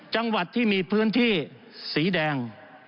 จังหวัดที่มีพื้นที่สีแดง